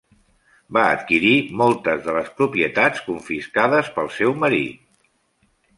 Va adquirir moltes de les propietats confiscades pel seu marit.